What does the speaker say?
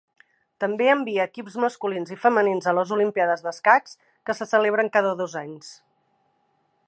També envia equips masculins i femenins a les Olimpíades d'Escacs que se celebren cada dos anys.